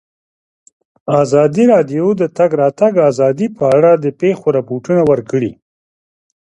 ازادي راډیو د د تګ راتګ ازادي په اړه د پېښو رپوټونه ورکړي.